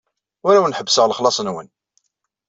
Ur awen-ḥebbseɣ lexlaṣ-nwen.